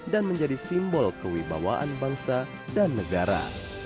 dan menjadi simbol kewibawaan bangsa dan negara